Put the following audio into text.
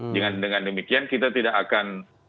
dengan demikian kita tidak akan